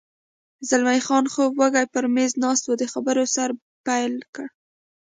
زلمی خان خوب وږی پر مېز ناست و، د خبرو سر پیل کړ.